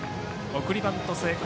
送りバント成功。